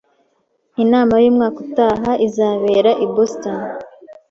Inama yumwaka utaha izabera i Boston